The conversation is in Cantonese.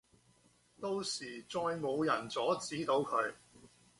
到時再冇人阻止到佢